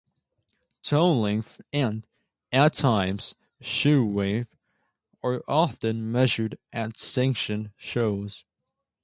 Toe length and, at times, shoe weight, are often measured at sanctioned shows.